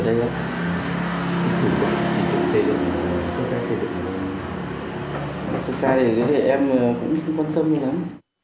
thật ra thì em cũng quan tâm nhiều lắm